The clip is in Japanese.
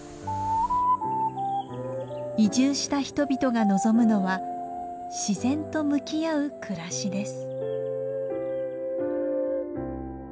移住した人々が望むのは自然と向き合う暮らしです。